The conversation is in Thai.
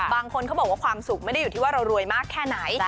บางคนเขาบอกว่าความสุขไม่ได้อยู่ที่ว่าเรารวยมากแค่ไหน